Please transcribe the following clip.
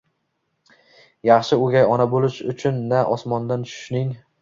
Yaxshi o'gay ona bo'lish uchun na osmondan tushishning